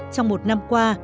trong một năm qua